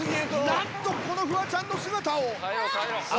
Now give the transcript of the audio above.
なんとこのフワちゃんの姿を！